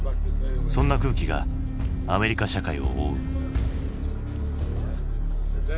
そんな空気がアメリカ社会を覆う。